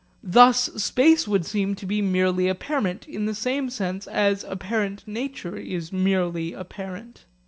Thus space would seem to be merely apparent in the same sense as apparent nature is merely apparent.